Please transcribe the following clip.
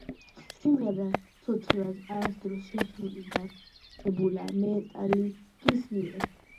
სიმღერა ცოცხლად არასოდეს შესრულებულა მეტალიკის მიერ.